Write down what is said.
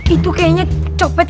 itu kayaknya copet